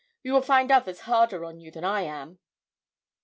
You will find others harder on you than I am!'